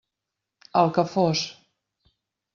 El que fos.